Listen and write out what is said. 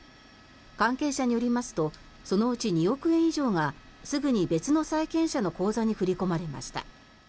関係者によりますとそのうち２億円以上がすぐに別の債権者の口座に振り込まれました。